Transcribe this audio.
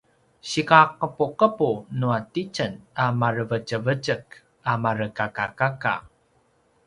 sikaqepuqepu nua titjen a marevetjevetjek a marekakakaka